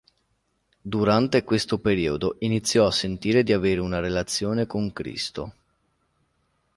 Durante questo periodo iniziò a sentire di avere una relazione con Cristo.